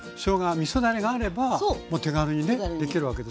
みそだれがあればもう手軽にねできるわけです。